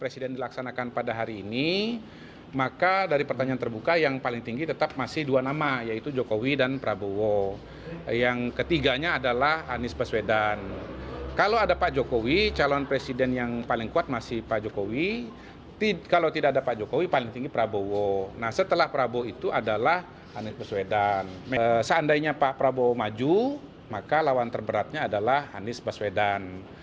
seandainya pak prabowo maju maka lawan terberatnya adalah anies baswedan